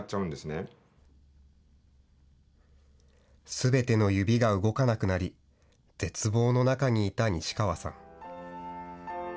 すべての指が動かなくなり、絶望の中にいた西川さん。